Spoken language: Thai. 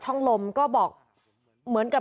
เมื่อวานแบงค์อยู่ไหนเมื่อวาน